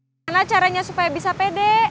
gimana caranya supaya bisa pede